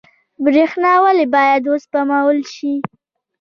برښنا ولې باید وسپمول شي؟